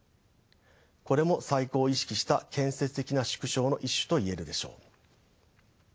これも再興を意識した建設的な縮小の一種と言えるでしょう。